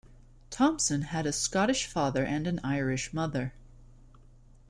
Thomson had a Scottish father and an Irish mother.